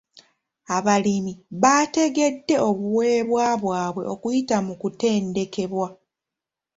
Abalimi baategedde obuweebwa bwabwe okuyita mu kutendekebwa.